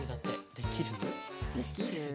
できる？